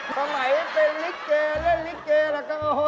ทำไมเป็นเล็กเกย์เล่นเล็กเกย์ล่ะกัน